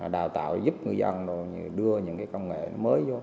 đào tạo giúp người dân đưa những cái công nghệ mới vô